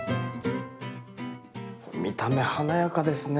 見た目華やかですね。